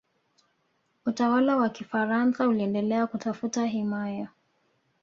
utawala wa kifaransa uliendelea kutafuta himaya